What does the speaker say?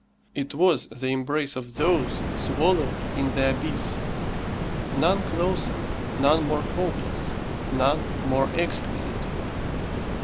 It was the embrace of those swallowed in the abyss; none closer, none more hopeless, none more exquisite.